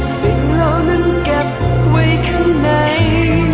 สิ่งเหล่านั้นเก็บไว้ข้างใน